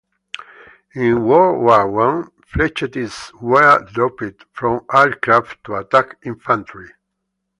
In World War One, flechettes were dropped from aircraft to attack infantry.